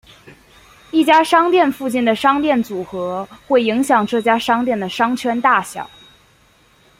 一家商店附近的商店组合会影响这家商店的商圈大小。